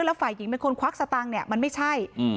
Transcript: แล้วฝ่ายหญิงเป็นคนควักสตังค์เนี่ยมันไม่ใช่